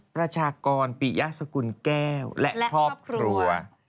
ประชากรปิยสกุลแก้วและครอบครัว